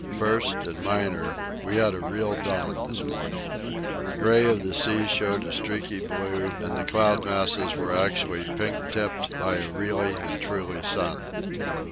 First, and minor, we had a real dawn this morning. The gray of the sea showed a streaky blue, and the cloud masses were actually pink tipped by a really and truly sun.